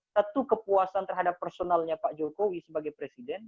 satu kepuasan terhadap personalnya pak jokowi sebagai presiden